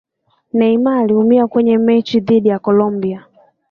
neymar aliumia kwenye mechi dhidi ya Colombia